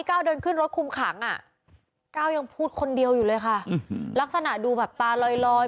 ก้ายังพูดคนเดียวอยู่เลยค่ะลักษณะดูแบบปลาเร้อยเร่อย